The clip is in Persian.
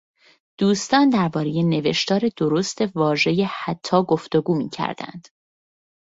دوستان دربارهٔ نوشتار درست واژهٔ حتی گفتگو میکردند.